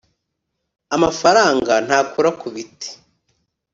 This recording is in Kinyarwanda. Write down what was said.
amafaranga ntakura kubiti